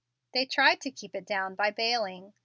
They tried to keep it down by baling.